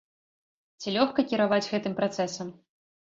Ці лёгка кіраваць гэтым працэсам?